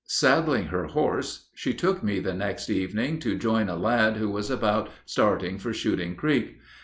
Saddling her horse, she took me the next evening to join a lad who was about starting for Shooting Creek.